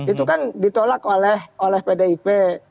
itu kan ditolak oleh pdip